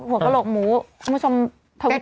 หัวกะโหลกหมูคุณผู้ชมทวิตเตอร์ลองบอกเรามีอีกอย่างว่า